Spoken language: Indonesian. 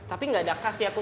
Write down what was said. tapi nggak ada kas ya aku